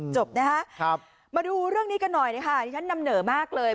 จบนะคะมาดูเรื่องนี้กันหน่อยนะคะที่ฉันนำเหนอมากเลย